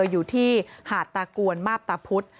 อยู่ที่หาดตากวนมาบตาพุธ